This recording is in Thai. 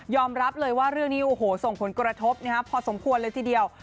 รับเลยว่าเรื่องนี้โอ้โหส่งผลกระทบพอสมควรเลยทีเดียว